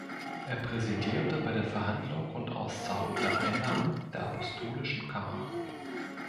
Er präsidierte bei der Verhandlung und Auszahlung der Einnahmen der Apostolischen Kammer.